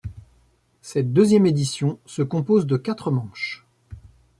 Cette deuxième édition se compose de quatre manches.